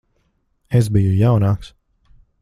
Es biju jaunāks.